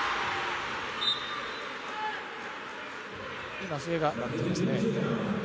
今、笛が鳴っていますね。